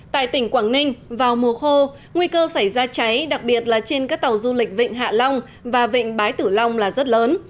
tại tỉnh quảng ninh vào mùa khô nguy cơ xảy ra cháy đặc biệt là trên các tàu du lịch vịnh hạ long và vịnh bái tử long là rất lớn